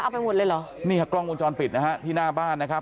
ไปหมดเลยเหรอนี่ครับกล้องวงจรปิดนะฮะที่หน้าบ้านนะครับ